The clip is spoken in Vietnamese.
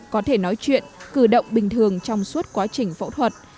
có thể nói chuyện cử động bình thường trong suốt quá trình phẫu thuật